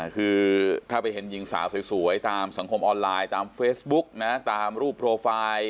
คือถ้าไปเห็นหญิงสาวสวยตามสังคมออนไลน์ตามเฟซบุ๊กนะตามรูปโปรไฟล์